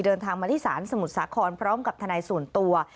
เดินทางมาที่ศาลสมุทรสาครพร้อมกับทนายส่วนตัว